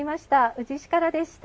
宇治市からでした。